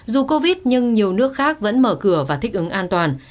dù covid nhưng nhiều nước khác vẫn mở cửa và thích ứng an toàn